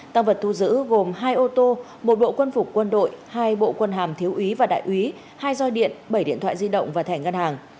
tăng vật thu giữ gồm hai ô tô một bộ quân phục quân đội hai bộ quân hàm thiếu úy và đại úy hai roi điện bảy điện thoại di động và thẻ ngân hàng